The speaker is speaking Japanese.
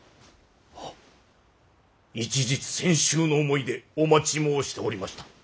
一日千秋の思いでお待ち申しておりました。